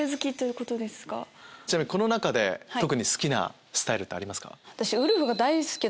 ちなみにこの中で特に好きなスタイルありますか？